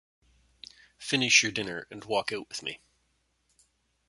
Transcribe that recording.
Finish your dinner, and walk out with me.